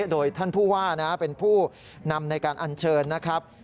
โดยท่านผู้ว่าเป็นผู้นำในการอัญเชิญนะครับ